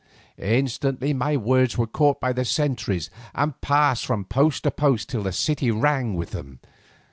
Instantly my words were caught up by the sentries and passed from post to post till the city rang with them.